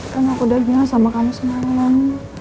kan aku udah jelas sama kamu semalam